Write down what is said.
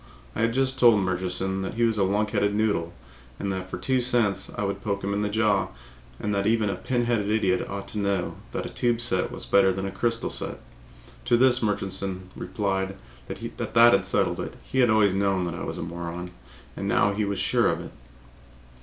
I had just told Murchison that he was a lunkheaded noodle and that for two cents I would poke him in the jaw, and that even a pin headed idiot ought to know that a tube set was better than a crystal set. To this Murchison had replied that that settled it. He said he had always known I was a moron, and now he was sure of it.